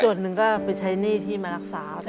ส่วนหนึ่งก็ไปใช้หนี้ที่มารักษา